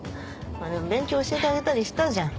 勉強教えてあげたりしたじゃん。